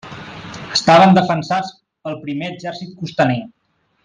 Estaven defensats pel Primer Exèrcit Costaner.